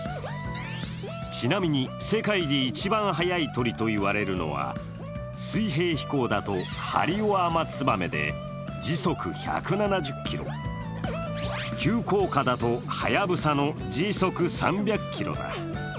ちなみに世界で一番速い鳥といわれるのは水平飛行だとハリオアマツバメで時速１７０キロ、急降下だとハヤブサの時速３００キロだ。